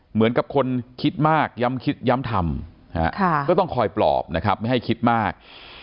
เหมือนกับคนคิดมากย้ำคิดย้ำทำก็ต้องคอยปลอบนะครับไม่ให้คิดมาก